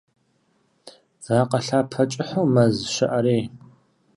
Вакъэ лъапэ кӀыхьу мэз щыӀэрей.